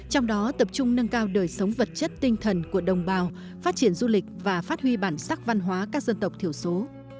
trong đó tập trung nâng cao đời sống vật chất tinh thần của đồng bào phát triển du lịch và phát huy bản sắc văn hóa các dân tộc thiểu số